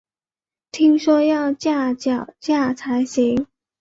听说要架脚架才行